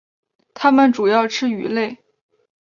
它们主要吃鱼类。